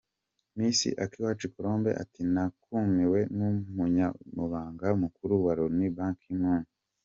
Miss Akiwacu Colombe ati “Natumiwe n’Umunyamabanga Mukuru wa Loni Ban Ki-Moon.